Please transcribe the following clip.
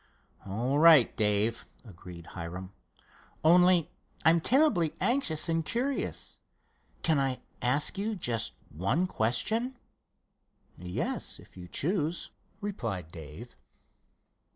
"All right, Dave," agreed Hiram, "only I'm terribly anxious and curious. Can I ask you just one question?" "Yes, if you choose," replied Dave.